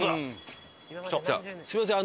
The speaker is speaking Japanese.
すみません